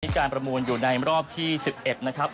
การประมูลอยู่ในรอบที่๑๑นะครับ